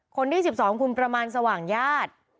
คนที่๑๒คุณประมาณสว่างญาติ